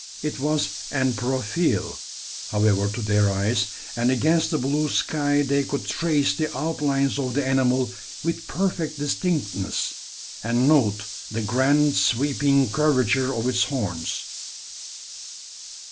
It was en profile, however, to their eyes; and against the blue sky they could trace the outlines of the animal with perfect distinctness, and note the grand sweeping curvature of its horns.